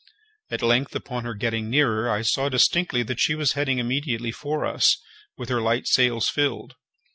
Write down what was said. At length upon her getting nearer, I saw distinctly that she was heading immediately for us, with her light sails filled.